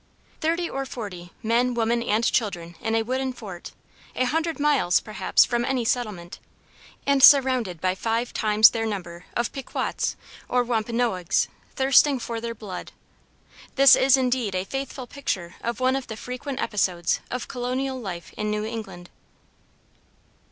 Thirty or forty men women and children in a wooden fort, a hundred miles, perhaps, from any settlement, and surrounded by five times their number of Pequots or Wampanoags thirsting for their blood! This is indeed a faithful picture of one of the frequent episodes of colonial life in New England!